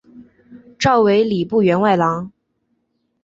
召为礼部员外郎。